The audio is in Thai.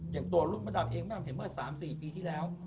อย่างตัวรุ่นมดำเองแม่มเห็นเมื่อ๓๔ปีที่แล้ว